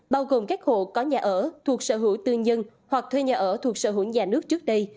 bao gồm các hộ có nhà ở thuộc sở hữu tư nhân hoặc thuê nhà ở thuộc sở hữu nhà nước trước đây